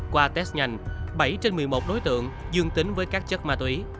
qua test nhanh bảy trên một mươi một đối tượng dương tính với các chất ma túy